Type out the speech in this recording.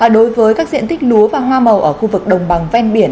đối với các diện tích lúa và hoa màu ở khu vực đồng bằng ven biển